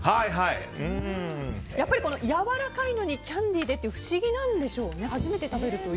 やっぱりやわらかいのにキャンディでというのが不思議なんでしょうね。